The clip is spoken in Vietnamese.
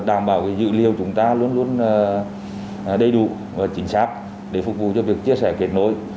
đảm bảo dữ liệu chúng ta luôn luôn đầy đủ và chính xác để phục vụ cho việc chia sẻ kết nối